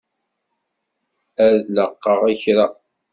Ad laqeɣ i kra?